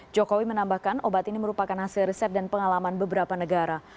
jokowi menambahkan obat ini merupakan hasil riset dan pengalaman beberapa negara